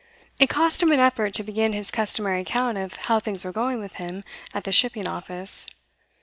It cost him an effort to begin his customary account of how things were going with him at the shipping office.